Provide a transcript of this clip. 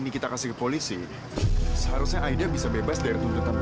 kita mesti bawa dia ke rumah sakit sekarang